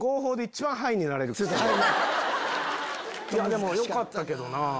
でもよかったけどな。